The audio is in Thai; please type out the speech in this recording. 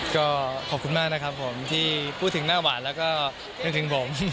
ก็ขอบคุณมากนะครับผมที่พูดถึงหน้าหวานแล้วก็นึกถึงผม